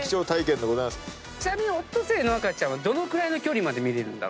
ちなみにオットセイの赤ちゃんどのくらいの距離まで見れる？